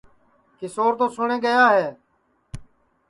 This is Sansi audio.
کیشور تو سوٹؔے گیا ہے